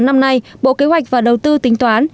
năm nay bộ kế hoạch và đầu tư tính toán